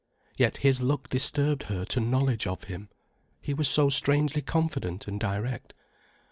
Yet his look disturbed her to knowledge of him. He was so strangely confident and direct.